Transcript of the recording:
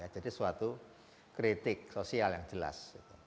jadi suatu kritik sosial yang jelas